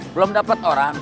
belum dapat orang